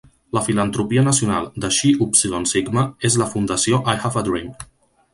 La filantropia nacional de Chi Upsilon Sigma és la fundació I Have A Dream.